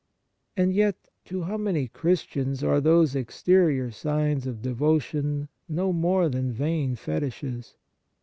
And yet, to how many Christians are these exterior signs of devotion no more than vain fetishes